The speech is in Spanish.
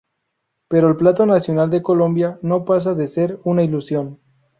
Pero el plato nacional de Colombia no pasa de ser una ilusión.